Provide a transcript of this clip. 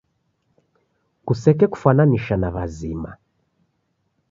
Kusekekufwananisha na w'azima.